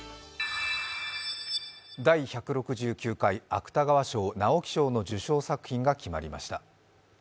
第１６９回芥川賞・直木賞の受賞作品が決まりました。